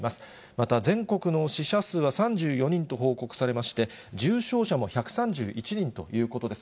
また全国の死者数は３４人と報告されまして、重症者も１３１人ということです。